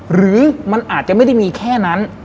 หรือมันอาจจะไม่ได้มีแค่นั้น